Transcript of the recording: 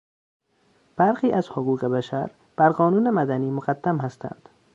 برخی از حقوق بشر بر قانون مدنی مقدم هستند.